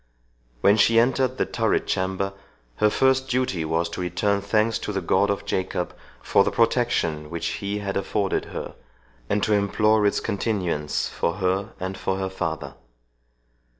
When she entered the turret chamber, her first duty was to return thanks to the God of Jacob for the protection which he had afforded her, and to implore its continuance for her and for her father.